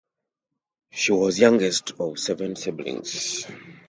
He was youngest of seven siblings.